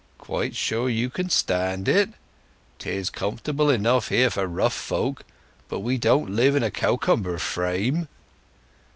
"Quite sure you can stand it? 'Tis comfortable enough here for rough folk; but we don't live in a cowcumber frame."